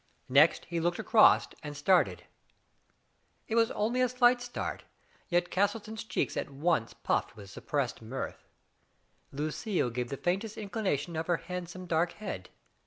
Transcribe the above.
Next be looked across and started, Digitized by Google MAY CROMMELm, S7 It was only a slight start, yet Castleton's cheeks at once puffed with suppressed mirth. Lucille gave the faintest inclination of her hand some dark head.